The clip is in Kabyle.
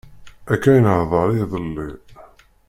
Akka i nehder iḍelli.